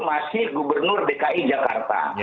masih gubernur dki jakarta